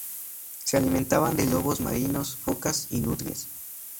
Se alimentaban de lobos marinos, focas y nutrias.